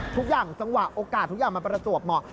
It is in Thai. ทุกอย่างจังหวะโอกาสทุกอย่างมันประจวบเหมาะ